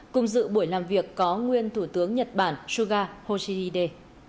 cùng dự buổi làm việc có nguyên thủ tướng nhật bản suga yoshihide